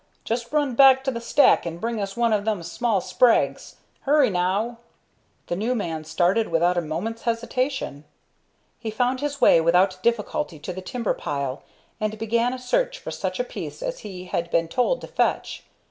Just run back to the stack and bring us one of them small sprags. Hurry, now!" the new man started without a moment's hesitation. He found his way without difficulty to the timber pile, and began a search for such a piece as he had been told to fetch.